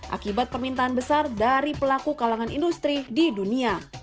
akibat permintaan besar dari pelaku kalangan industri di dunia